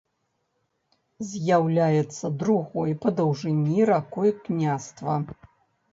З'яўляецца другой па даўжыні ракой княства.